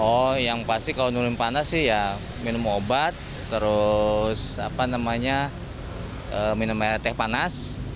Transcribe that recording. oh yang pasti kalau minum panas sih ya minum obat terus minum teh panas